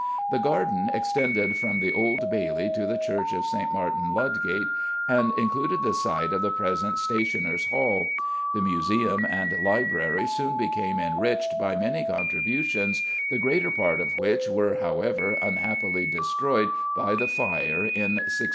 The garden extended from the Old Bailey to the Church of St. Martin, Ludgate, and included the site of the present Stationers' Hall. The museum and library soon became enriched by many contributions, the greater part of which were, however, unhappily destroyed by the fire in 1666.